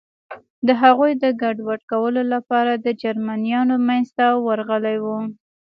د هغوی د ګډوډ کولو لپاره د جرمنیانو منځ ته ورغلي و.